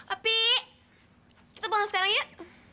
opi kita bangun sekarang yuk